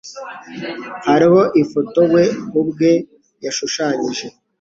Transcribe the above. Hariho ifoto we ubwe yashushanyije.